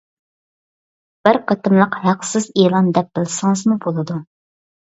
بىر قېتىملىق ھەقسىز ئېلان دەپ بىلسىڭىزمۇ بولىدۇ.